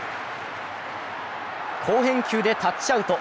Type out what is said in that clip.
好返球でタッチアウト。